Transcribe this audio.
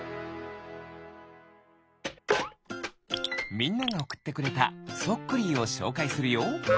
みんながおくってくれたそっクリーをしょうかいするよ。